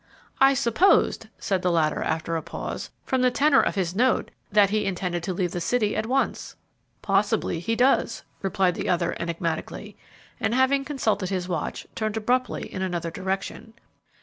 "I supposed," said the latter, after a short pause, "from the tenor of his note, that he intended to leave the city at once." "Possibly he does," replied the other, enigmatically, and, having consulted his watch, turned abruptly in another direction.